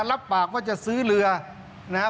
รับปากว่าจะซื้อเรือนะครับ